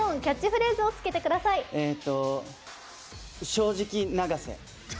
正直永瀬。